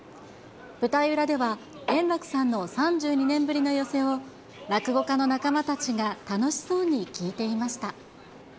舞台裏では、円楽さんの３２年ぶりの寄席を、落語家の仲間たちが楽しそうに聞いていました。